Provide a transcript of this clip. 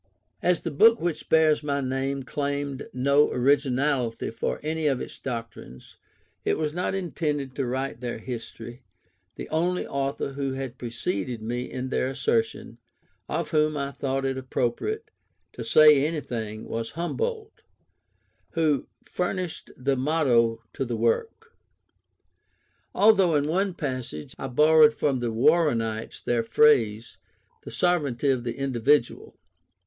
As the book which bears my name claimed no originality for any of its doctrines, and was not intended to write their history, the only author who had preceded me in their assertion, of whom I thought it appropriate to say anything, was Humboldt, who furnished the motto to the work; although in one passage I borrowed from the Warrenites their phrase, the sovereignty of the individual.